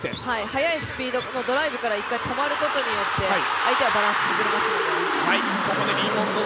速いスピードのドライブから１回止まることによって相手はバランス崩れますので。